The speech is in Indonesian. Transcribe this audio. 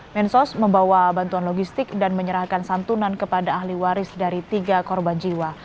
mensos membawa bantuan logistik dan menyerahkan santunan kepada ahli waris dari tiga korban jiwa